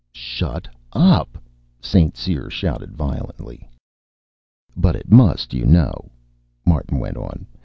"Shut up!" St. Cyr shouted violently. "But it must, you know," Martin went on.